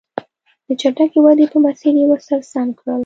د چټکې ودې په مسیر یې ور سم کړل.